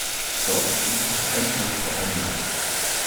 Dort spielte der Verein allerdings nur ein Jahr.